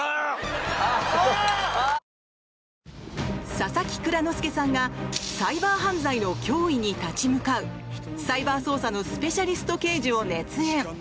佐々木蔵之介さんがサイバー犯罪の脅威に立ち向かうサイバー捜査のスペシャリスト刑事を熱演。